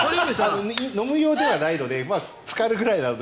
飲む用ではないのでつかるくらいなので。